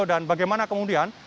dan bagaimana kemudian